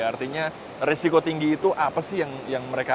artinya risiko tinggi itu apa sih yang akan terjadi